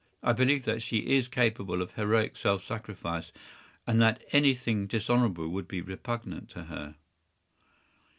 I believe that she is capable of heroic self sacrifice, and that anything dishonorable would be repugnant to her.